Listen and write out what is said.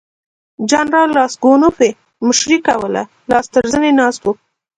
جنرال راسګونوف یې مشري کوله لاس تر زنې ناست وو.